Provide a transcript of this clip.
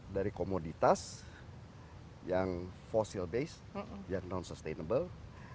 dari komoditas yang fossil base yang non sustainable